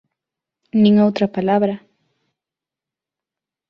Nin outra palabra.